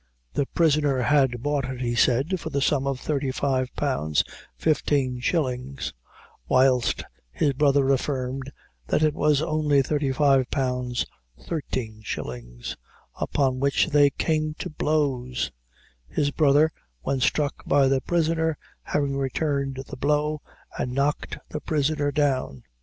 The prisoner had bought it, he said, for the sum of thirty five pounds fifteen shillings, whilst his brother affirmed that it was only thirty five pounds thirteen shillings upon which they came to blows; his brother, when struck by the prisoner, having returned the blow, and knocked the prisoner down.